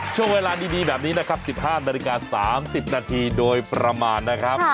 ช่วงเวลาดีแบบนี้นะครับ๑๕นาฬิกา๓๐นาทีโดยประมาณนะครับ